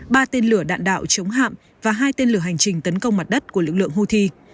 ba tên lửa đạn đạo chống hạm và hai tên lửa hành trình tấn công mặt đất của lực lượng houthi